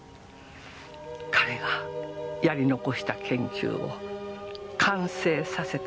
彼がやり残した研究を完成させたかった。